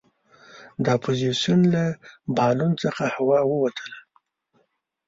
د اپوزیسون له بالون څخه هوا ووتله.